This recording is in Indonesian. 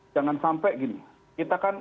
jangan sampai gini kita kan